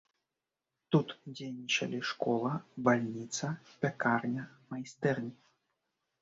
Тут дзейнічалі школа, бальніца, пякарня, майстэрні.